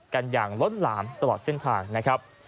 กันอย่างล้นหลามตลอดเส้นทางนะครับ